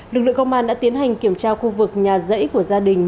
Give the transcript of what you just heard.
lực lượng công an đã tiến hành kiểm tra khu vực nhà rẫy của gia đình